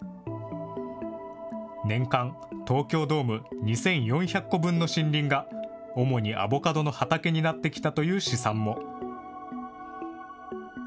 年間、東京ドーム２４００個分の森林が、主にアボカドの畑になってきたという試算も。